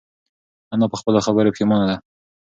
انا په خپلو خبرو پښېمانه ده.